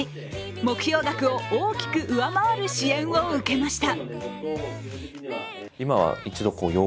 目標額を大きく上回る支援を受けました。